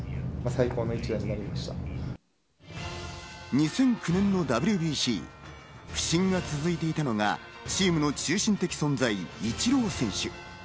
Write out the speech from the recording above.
２００９年のＷＢＣ、不振が続いていたのが、チームの中心的存在、イチロー選手。